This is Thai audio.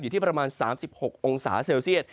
อยู่ที่ประมาณ๓๖องศาเซลเซียต